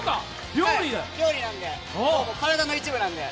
料理なんで、体の一部なんで。